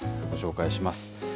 ご紹介します。